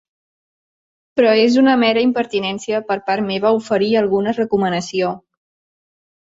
Però és una mera impertinència per part meva oferir alguna recomanació.